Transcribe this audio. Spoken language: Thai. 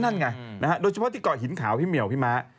นั่นไงโดยเฉพาะที่เกาะหินขาวพี่เหมียวพี่ม้า